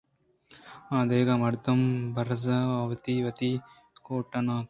آ دگہ مردم برز ءَ وتی وتی کوٹیان اَنت